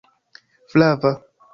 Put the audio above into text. flava